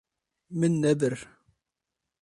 Min nebir.